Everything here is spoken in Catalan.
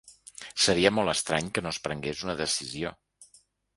Seria molt estrany que no es prengués una decisió.